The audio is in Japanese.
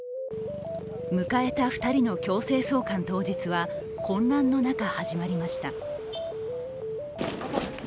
迎えた２人の強制送還当日は混乱の中、始まりました。